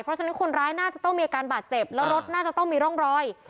เพราะฉะนั้นคนร้ายน่าจะต้องมีอาการบาดเจ็บแล้วรถน่าจะต้องมีร่องรอย